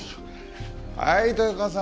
はい豊川さん